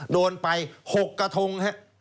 โดนไป๖กระทง